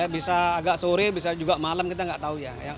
bisa agak sore bisa juga malam kita nggak tahu ya